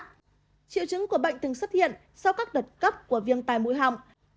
triệu chứng của bệnh từng xuất hiện sau các đợt cấp của viêm tai mũi họng